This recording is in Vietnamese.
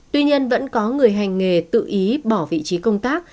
tuy nhiên vẫn có người hành nghề tự ý bỏ vị trí công tác